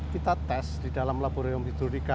kita tes di dalam laboratorium hidrolika